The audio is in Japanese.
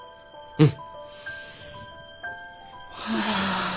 うん？